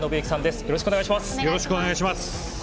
よろしくお願いします。